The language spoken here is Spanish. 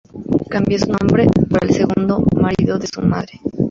Cambió su nombre por el segundo marido de su madre.